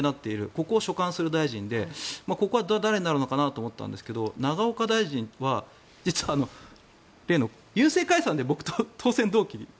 ここを所管する大臣でここが誰になるのかなと思ったんですが永岡大臣は実は例の郵政解散で僕、当選同期。